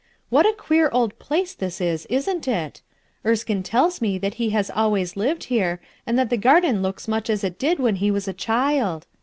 What a queer old place this is, isn't it? Enskinc tells me that lie has always lived here and that the garden looks much as it did when lie was a child.